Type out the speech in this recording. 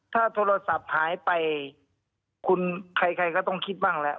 ถ้าโทรศัพท์หายไปคุณใครก็ต้องคิดบ้างแล้ว